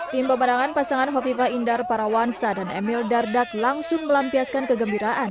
tim pemenangan pasangan hovifah indar parawansa dan emil dardak langsung melampiaskan kegembiraan